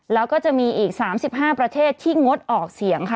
แล้วก็จะมีอีก๓๕ประเทศที่งดออกเสียงค่ะ